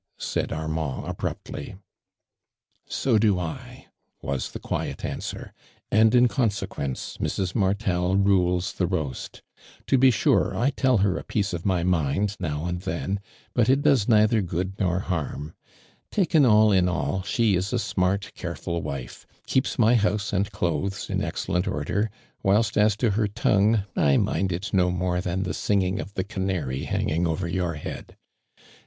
said Armand, abruptly. " So do I," was the cjuiet answer, " and in consequence Mrs. Martol rules the roast. To be sure, I tell her a piece of my mind, now and then, but it does neither good nor harm. Taken all in all, she is a smart, careful wife — keeps my house and clothes in excellent order, whilst as to her tongue, I mind it no more tlmn the singing of the canary hanging over your head.